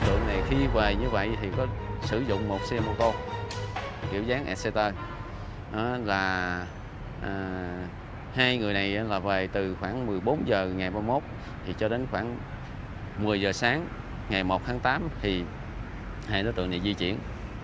từ khoảng một mươi h sáng ngày một tháng tám thì hai đối tượng này di chuyển